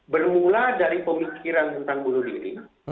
bermula dari pemikiran tentang bunuh diri